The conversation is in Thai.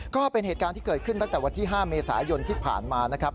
ก็เป็นเหตุการณ์ที่เกิดขึ้นตั้งแต่วันที่๕เมษายนที่ผ่านมานะครับ